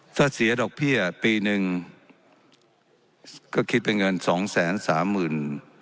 ถ้าเสียดอกเบี้ยปีหนึ่งก็คิดเป็นเงินสองแสนสามหมื่น